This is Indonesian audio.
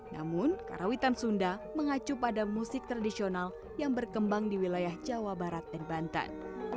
namun karawitan sunda mengacu pada musik tradisional yang berkembang di wilayah jawa barat dan banten